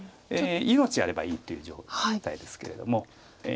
命あればいいという状態ですけれども。